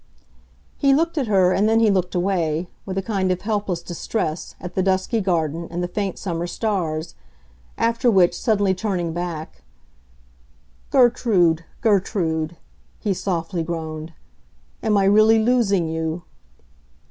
He looked at her, and then he looked away, with a kind of helpless distress, at the dusky garden and the faint summer stars. After which, suddenly turning back, "Gertrude, Gertrude!" he softly groaned. "Am I really losing you?"